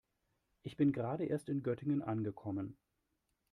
Ich bin gerade erst in Göttingen angekommen